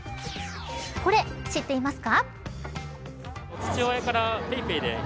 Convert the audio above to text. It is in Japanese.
これ知っていますか。